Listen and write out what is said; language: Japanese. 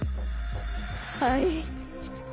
はい。